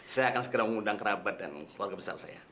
saya akan sekarang mengundang kerabat dan warga besar saya